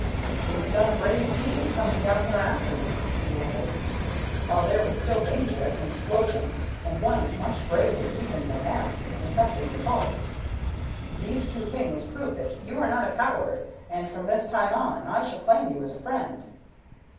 "You have done a brave deed in coming down here after me," he added, "while there was still danger of an explosion, and one much braver even than that, in confessing your faults. These two things prove that you are not a coward, and from this time on I shall claim you as a friend."